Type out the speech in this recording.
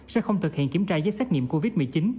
sẽ không thực hiện kiểm tra giấy xét nghiệm covid một mươi chín